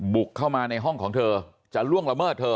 บุกเข้ามาในห้องของเธอจะล่วงละเมิดเธอ